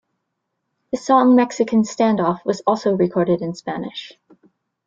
The song "Mexican Standoff" was also recorded in Spanish.